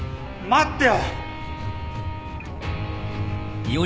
待ってよ！